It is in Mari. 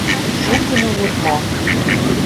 — Шукын улыт мо?